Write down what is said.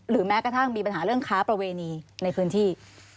แม้กระทั่งมีปัญหาเรื่องค้าประเวณีในพื้นที่